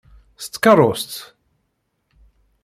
S tkeṛṛust!